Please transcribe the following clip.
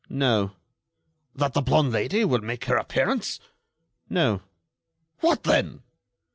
"No." "That the blonde Lady will make her appearance?" "No." "What then?"